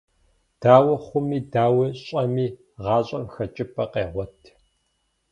Дауэ хъуми, дауэ щӏэми, гъащӏэм хэкӏыпӏэ къегъуэт.